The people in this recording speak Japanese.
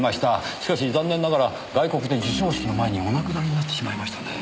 しかし残念ながら外国で授賞式の前にお亡くなりになってしまいましたねぇ。